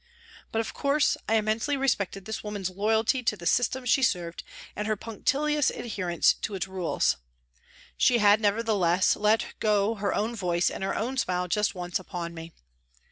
But, of course, I immensely respected this woman's loyalty to the system she served and her punctilious adherence to its rules. She had, nevertheless, let go her own voice and her own smile just once upon me.